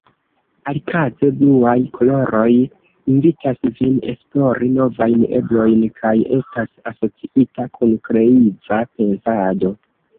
Alikaze, bluaj koloroj invitas vin esplori novajn eblojn kaj estas asociita kun kreiva pensado.